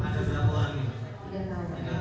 yang saya temui yang di jepang amerika tenggara